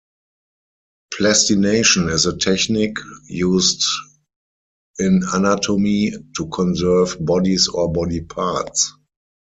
Plastination is a technique used in anatomy to conserve bodies or body parts.